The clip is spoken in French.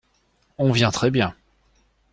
On vient très bien !